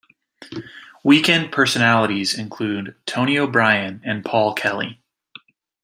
Weekend personalities include Tony O'Brien and Paul Kelly.